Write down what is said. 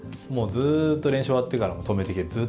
もうずっと練習終わってからも「止めて蹴る」